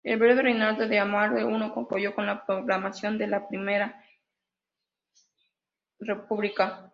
El breve reinado de Amadeo I concluyó con la proclamación de la Primera República.